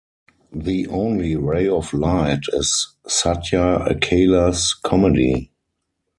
The only ray of light is Satya Akkala’s comedy.